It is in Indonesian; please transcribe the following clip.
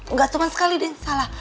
nggak cuman sekali deh yang salah